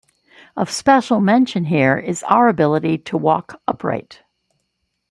Of special mention here is our ability to walk upright.